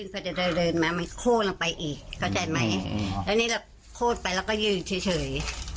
เขาจะเดินมามันโค้นลงไปอีกเข้าใจไหมแล้วนี่เราโคตรไปแล้วก็ยืนเฉย